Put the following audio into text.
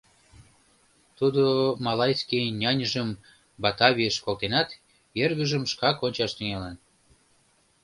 Тудо малайский няньыжым Батавийыш колтенат, эргыжым шкак ончаш тӱҥалын.